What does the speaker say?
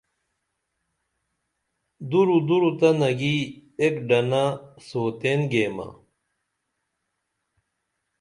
دُرع دُرع تہ نگی ایک ڈنہ سوتین گیمہ